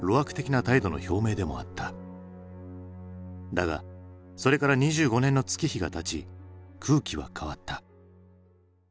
だがそれから２５年の月日がたち空気は変わった。